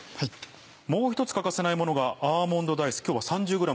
もう一つ欠かせないものがアーモンドダイス。